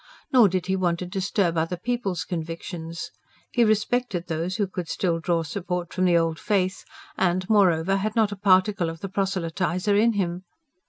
Nor did he want to disturb other people's convictions. He respected those who could still draw support from the old faith, and, moreover, had not a particle of the proselytiser in him.